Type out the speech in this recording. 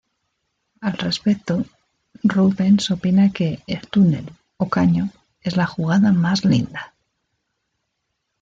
Al respecto, Rubens opina que el "túnel" o "caño" es la "jugada más linda".